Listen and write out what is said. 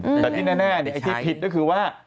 แต่ที่แน่ไอ้ที่ผิดก็คือว่า